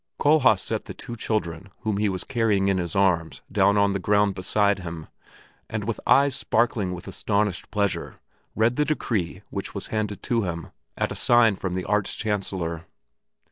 Kohlhaas set the two children whom he was carrying in his arms down on the ground beside him, and with eyes sparkling with astonished pleasure read the decree which was handed to him at a sign from the Arch Chancellor.